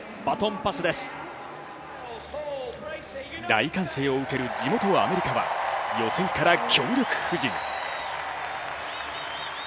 大歓声を受ける地元・アメリカは予選から強力布陣。